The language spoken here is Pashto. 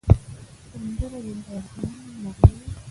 سندره د دردمندو نغمه ده